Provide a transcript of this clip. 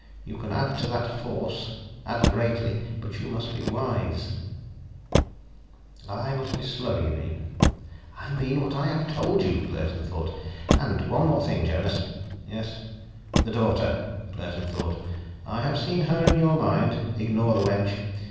You can add to that force, add greatly; but you must be wise." "I must be slow, you mean." "I mean what I have told you," Claerten thought. "And one more thing, Jonas." "Yes?" "The daughter," Claerten thought. "I have seen her in your mind. Ignore the wench.